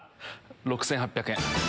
６８００円。